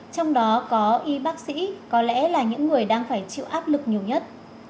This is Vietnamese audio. trong đó có y bác sĩ có lẽ là những người đang phải chịu áp lực nhiều nhất